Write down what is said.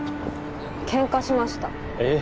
ケンカしましたえ